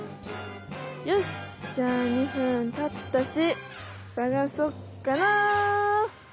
よしじゃあ２分たったしさがそっかな。